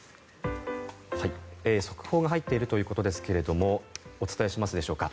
速報が入っているということですがお伝えしますでしょうか？